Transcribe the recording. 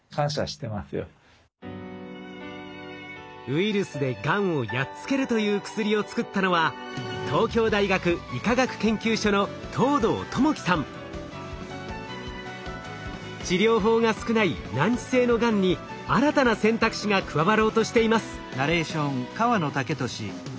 ウイルスでがんをやっつけるという薬を作ったのは治療法が少ない難治性のがんに新たな選択肢が加わろうとしています。